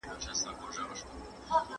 هر تکليف ته يې تيــــــــار يم وېــزار نه يم